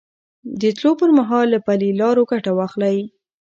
د تلو پر مهال له پلي لارو ګټه واخلئ.